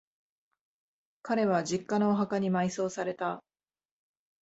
彼は、実家のお墓に埋葬された。